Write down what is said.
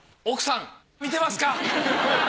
奥さん見てますか？